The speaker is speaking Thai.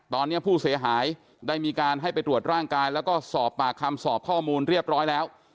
ตอนนี้ผู้เสียหายได้มีการให้ไปตรวจร่างกายแล้วก็สอบปากคำสอบข้อมูลเรียบร้อยแล้ว